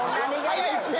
早いですね！